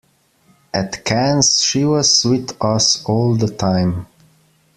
At Cannes she was with us all the time.